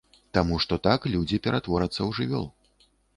Таму што так людзі ператворацца ў жывёл.